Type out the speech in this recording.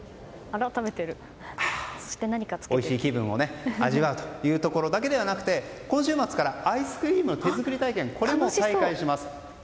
おいしい気分を味わうというところだけではなくて今週末からアイスクリーム手作り体験も再開します。